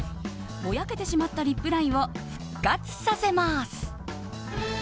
ぼやけてしまったリップラインを復活させます。